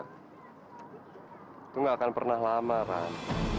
hai itu nggak akan pernah lama ran